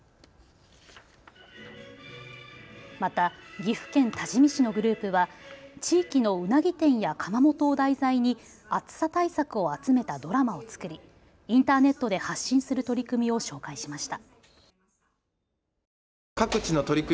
また岐阜県多治見市のグループは地域のうなぎ店や窯元を題材に暑さ対策を集めたドラマを作りインターネットで発信する取り組みを紹介しました。